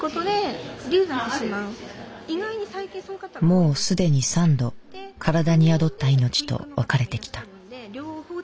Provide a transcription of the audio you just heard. もう既に３度体に宿った命と別れてきた。